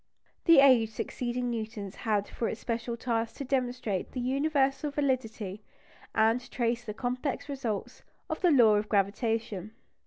The age succeeding Newton's had for its special task to demonstrate the universal validity, and trace the complex results, of the law of gravitation.